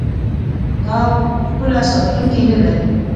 دا پوله ساتونکي نلري.